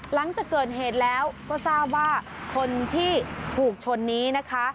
หลังจากเกิดเหตุแล้วก็ทราบว่าคนที่ถูกชนนี้นะคะ